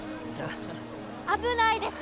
危ないです！